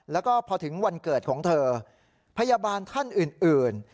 แล้วก็พอถึงวันเกิดของเธอพยาบาลท่านอื่น